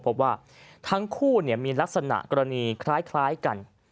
เพราะว่าทั้งคู่เนี่ยมีลักษณะกรณีคล้ายกัน